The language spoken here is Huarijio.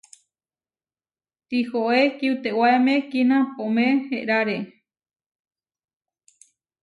Tihoé kiutewaéme kinapoʼmé éʼrare.